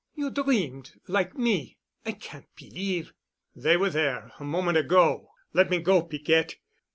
"You dreamed, like me. I can't believe——" "They were there a moment ago. Let me go, Piquette."